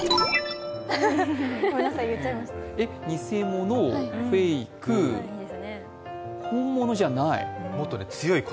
え、偽物、フェイク、本物ではない？